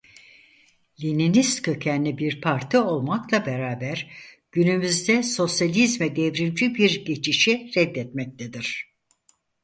Leninist kökenli bir parti olmakla beraber günümüzde sosyalizme devrimci bir geçişi reddetmektedir.